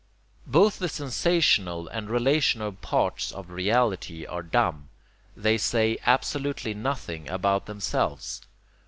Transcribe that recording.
Both the sensational and the relational parts of reality are dumb: they say absolutely nothing about themselves.